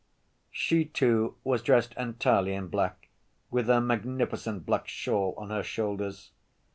She, too, was dressed entirely in black, with her magnificent black shawl on her shoulders.